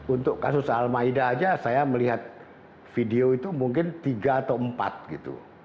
untuk kasus al maida aja saya melihat video itu mungkin tiga atau empat gitu